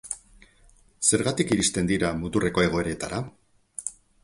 Zergatik iristen dira muturreko egoeretara?